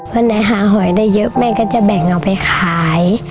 วันไหนหาหอยได้เยอะแม่ก็จะแบ่งเอาไปขาย